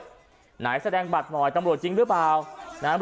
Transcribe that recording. หน่ายแสดงบัตรหน่อยตำรวจจริงหรือเปล่า